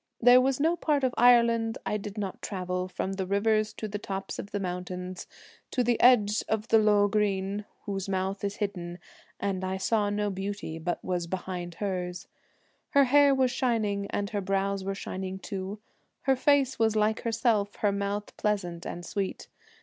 There was no part of Ireland I did not travel, From the rivers to the tops of the mountains, To the edge of Lough Greine whose mouth is hidden, And I saw no beauty but was behind hers. Her hair was shining, and her brows were shining too; Her face was like herself, her mouth pleasant and sweet.